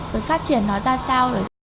rồi phát triển nó ra sao